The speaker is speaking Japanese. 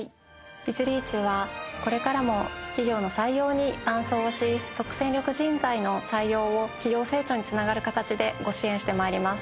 ビズリーチはこれからも企業の採用に伴走をし即戦力人材の採用を企業成長につながる形でご支援して参ります。